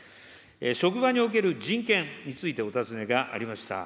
職場における人権についてお尋ねがありました。